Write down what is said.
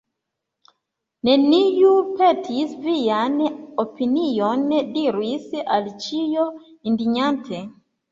"Neniu petis vian opinion," diris Alicio indignante.